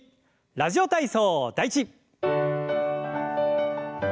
「ラジオ体操第１」。